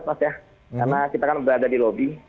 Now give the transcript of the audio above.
karena kita kan berada di lobi